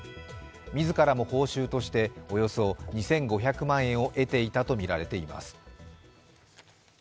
自らも報酬としておよそ２５００万円を得ていたとみられています。